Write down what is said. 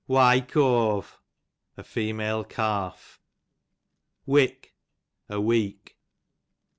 Why kawve, a female calf. Wick, a week.